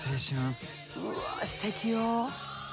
うわすてきよ。